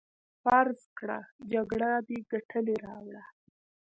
فرض کړه جګړه دې ګټلې راوړه.